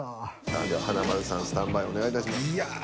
さあでは華丸さんスタンバイお願いいたします。